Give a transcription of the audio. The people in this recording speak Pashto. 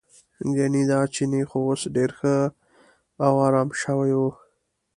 ګنې دا چینی خو اوس ډېر ښه او ارام شوی و.